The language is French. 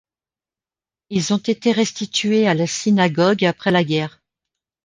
Ils ont été restitués à la synagogue après la guerre.